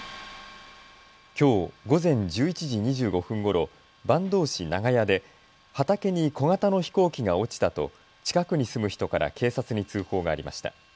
きょう午前１１時２５分ごろ坂東市長谷で畑に小型の飛行機が落ちたと近くに住む人から警察に通報がありました。